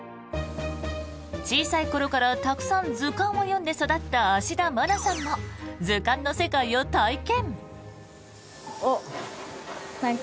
小さい頃からたくさん図鑑を読んで育った芦田愛菜さんも図鑑の世界を体験。